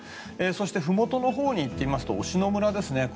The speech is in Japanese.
そして、ふもとのほうに行ってみますと忍野村ですね。